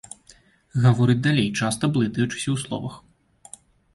Гаворыць далей, часта блытаючыся ў словах.